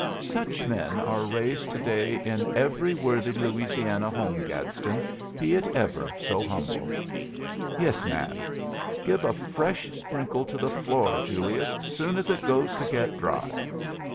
"Such men are raised today in every worthy Louisiana home, Gadsden, be it ever so humble." "Yes, ma'am. Give a fresh sprinkle to the floor, Julius, soon as it goes to get dry.